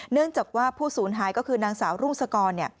เนื่องจากว่าผู้สูญหายก็คือนางสาวรุ่งสกร